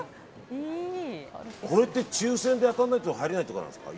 これって抽選で当たらないと入れないとかなんですか。